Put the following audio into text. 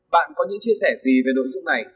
bạn có những chia sẻ gì về nội dung này